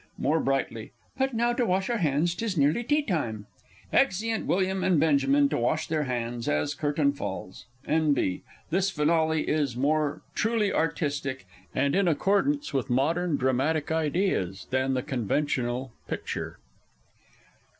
(More brightly). But now to wash our hands 'tis nearly tea time! [Exeunt WILLIAM and BENJAMIN, _to wash their hands, as Curtain falls. N.B. This finale is more truly artistic, and in accordance with modern dramatic ideas, than the conventional "picture."